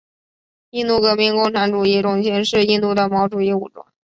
印度革命共产主义中心是印度的毛主义武装。